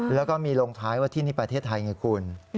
แล้วก็มีลงท้ายว่าที่นี่ประเทศไทยไงคุณ